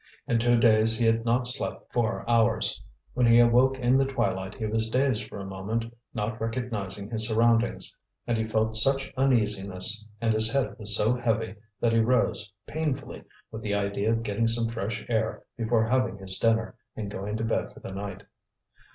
In two days he had not slept four hours. When he awoke in the twilight he was dazed for a moment, not recognizing his surroundings; and he felt such uneasiness and his head was so heavy that he rose, painfully, with the idea of getting some fresh air before having his dinner and going to bed for the night.